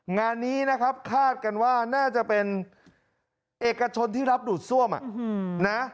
งานนี้นะครับคาดกันว่าน่าจะเป็นเอกชนที่รับดูดซ่วมนะ